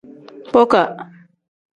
Boka.